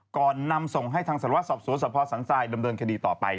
ก่อนนำส่งให้ทางสารวัติสอบสวทธิ์สรรพสังศัยดำเดินคดีต่อไป